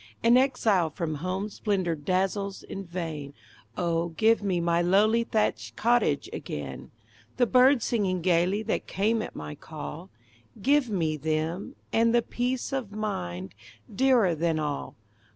An exile from home, splendor dazzles in vain! Oh, give me my lowly thatched cottage again! The birds singing gaily that came at my call! Give me them! and the peace of mind, dearer than all.